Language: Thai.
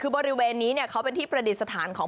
บริเวณนี้เนี่ยเป็นที่ประดิษฐานของ